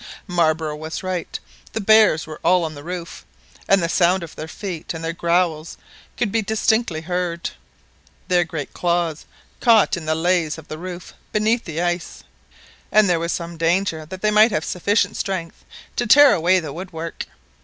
Marbre was right; the bears were all on the roof, and the sound of their feet and their growls could be distinctly heard. Their great claws caught in the laths of the roof beneath the ice, and there was some danger that they might have sufficient strength to tear away the woodwork.